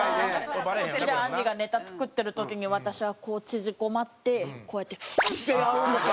こっちであんりがネタ作ってる時に私はこう縮こまってこうやってってやるんですよ。